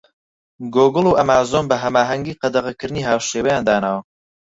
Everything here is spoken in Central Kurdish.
گۆگڵ و ئەمازۆن بە هەماهەنگی قەدەغەکردنی هاوشێوەیان داناوە.